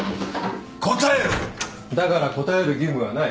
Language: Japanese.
・だから答える義務はない。